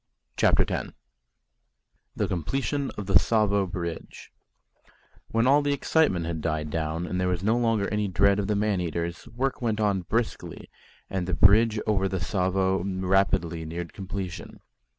CHAPTER X THE COMPLETION OF THE TSAVO BRIDGE When all the excitement had died down and there was no longer any dread of the man eaters, work went on briskly, and the bridge over the Tsavo rapidly neared completion.